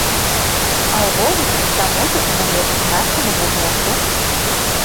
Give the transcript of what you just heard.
А ўвогуле ўся музыка належыць нашаму бубначу.